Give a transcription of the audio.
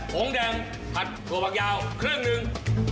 งแดงผัดถั่วผักยาวครึ่งหนึ่ง